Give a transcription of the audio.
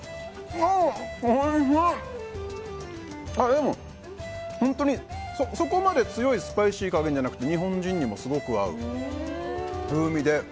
でも本当にそこまで強いスパイシー加減じゃなくて日本人にもすごく合う風味で。